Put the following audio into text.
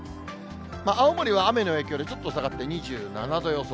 青森は雨の影響でちょっと下がって２７度予想。